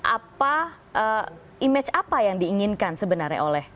apa image apa yang diinginkan sebenarnya oleh